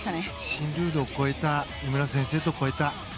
新ルールを超えた井村先生と超えた。